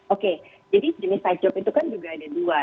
oke jadi jenis side job itu kan juga ada dua